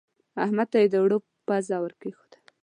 احمد ته يې د اوړو پزه ور کېښوده.